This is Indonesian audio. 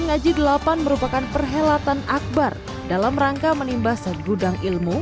dan ngaji delapan merupakan perhelatan akbar dalam rangka menimba segudang ilmu